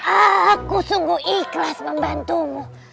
aku sungguh ikhlas membantumu